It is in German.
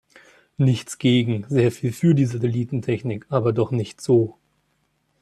Nichts gegen, sehr viel für die Satellitentechnik, aber doch nicht so!